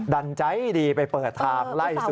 ดันใจดีไปเปิดทางไล่สู้